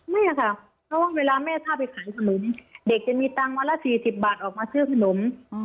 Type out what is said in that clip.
ไม่ค่ะเพราะว่าเวลาแม่ถ้าไปขายขนมเด็กจะมีตังค์วันละ๔๐บาทออกมาซื้อขนม